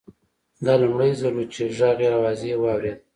دا لومړی ځل و چې غږ یې واضح واورېد